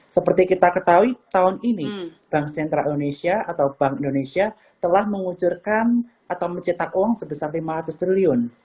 seperti kita ketahui tahun ini bank sentral indonesia atau bank indonesia telah mengucurkan atau mencetak uang sebesar lima ratus triliun